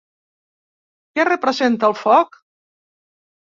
Què representa el foc?